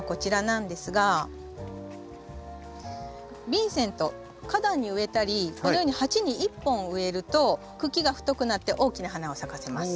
ビンセント花壇に植えたりこのように鉢に１本植えると茎が太くなって大きな花を咲かせます。